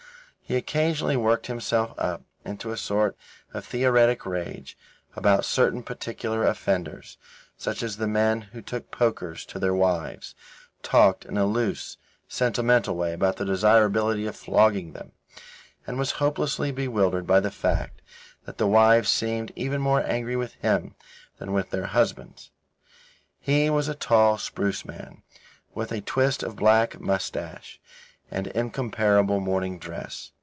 He occasionally worked himself up into a sort of theoretic rage about certain particular offenders, such as the men who took pokers to their wives, talked in a loose, sentimental way about the desirability of flogging them, and was hopelessly bewildered by the fact that the wives seemed even more angry with him than with their husbands. He was a tall, spruce man, with a twist of black moustache and incomparable morning dress.